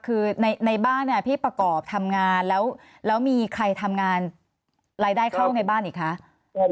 คือในบ้านพี่ประกอบทำงานแล้วมีใครทำงานรายได้เข้าในบ้านอีกคะ